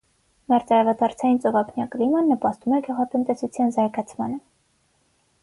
Մերձարևադարձային ծովափնյա կլիման նպաստում է գյուղատնտեսության զարգացմանը։